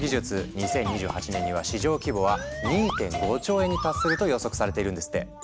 ２０２８年には市場規模は２．５兆円に達すると予測されているんですって。